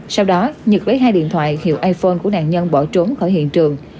sau đó nhật lấy hai điện thoại hiệu iphone của nạn nhân bỏ trốn khỏi hiện trường